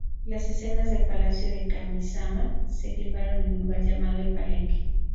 Las escenas del palacio de Kamisama se filmaron en un lugar llamado El Palenque.